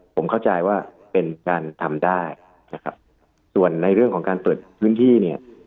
ผมเข้าใจว่าเป็นการทำได้นะครับส่วนในเรื่องของการเปิดพื้นที่เนี่ย